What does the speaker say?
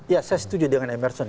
ya saya setuju dengan emerson